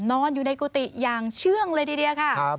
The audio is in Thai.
นอนอยู่ในกุฏิอย่างเชื่องเลยทีเดียวค่ะ